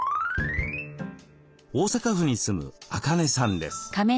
大阪府に住むアカネさんです。